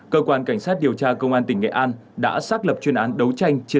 cơ quan cảnh sát điều tra công an tỉnh nghệ an đã xác lập chuyên án đấu tranh